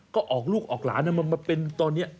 ก็ออกลูกออกหลานมาเป็นตอนนี้